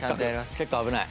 結構危ない。